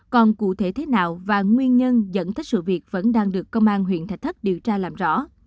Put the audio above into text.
còn cụ thể thế nào và nguyên nhân dẫn tới sự việc vẫn đang được công an huyện thạch thất điều tra làm rõ